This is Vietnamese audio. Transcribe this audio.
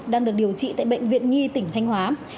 đang được điều trị tại bệnh viện nhi tỉnh thanh hóa